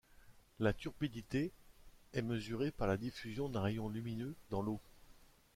La turbidité est mesurée par la diffusion d'un rayon lumineux dans l'eau.